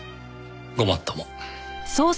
ごもっとも。